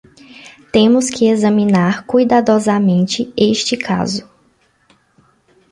Temos que examinar cuidadosamente este caso.